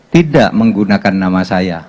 tidak menggunakan nama saya